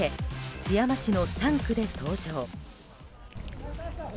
津山市の３区で登場。